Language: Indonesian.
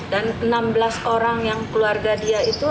dan enam belas orang yang keluarga dia itu